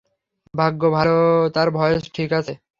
ভাগ্য ভালো তার ভয়েস ঠিক আছে।